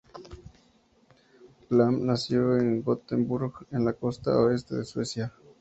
Lamm nació en Gothenburg, en la costa oeste de Suecia.